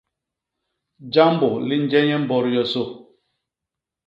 Jambô li nje nye mbot yosô.